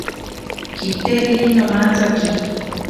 Kiteriri nomantsaki.